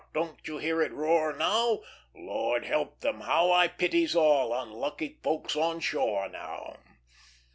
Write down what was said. don't you hear it roar now? Lord help them! how I pities all Unlucky folks on shore now.